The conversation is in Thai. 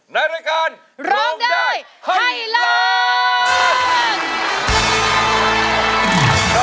ในรายการร้องได้ไทร์